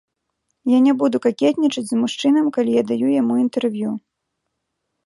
Я не буду какетнічаць з мужчынам, калі я даю яму інтэрв'ю.